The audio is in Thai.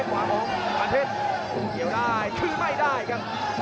ขวางของมาร์เทศเขียวได้คือไม่ได้กัน